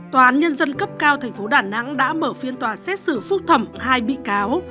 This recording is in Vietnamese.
tòa án nhân dân cấp cao tp đà nẵng đã mở phiên tòa xét xử phúc thẩm hai bị cáo